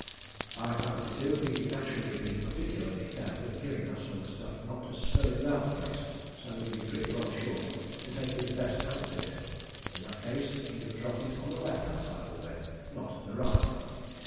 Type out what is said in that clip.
I fancy, too, he'd naturally be particularly careful in giving that sort of stuff not to spill it about the place, so he'd be pretty well sure to take his best hand to it. In that case he'd have dropped it on the left hand side of the bed not the right.